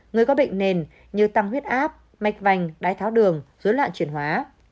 người có bệnh nền như tăng huyết áp mạch vành đai tháo đường dưới loạn truyền hóa